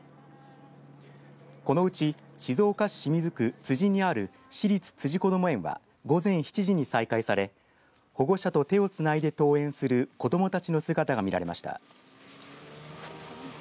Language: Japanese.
このうち静岡市清水区辻にある市立辻こども園は午前７時に再開され保護者と手をつないで登園する子どもたちの姿が見られました。